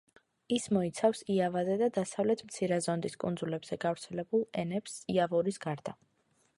ის მოიცავს იავაზე და დასავლეთ მცირე ზონდის კუნძულებზე გავრცელებულ ენებს, იავურის გარდა.